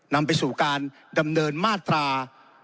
นำไปสู่การดำเนินมาตรา